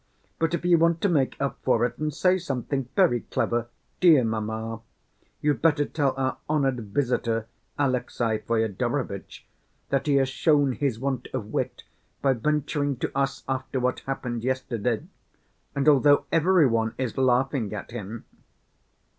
But if you want to make up for it and say something very clever, dear mamma, you'd better tell our honored visitor, Alexey Fyodorovitch, that he has shown his want of wit by venturing to us after what happened yesterday and although every one is laughing at him."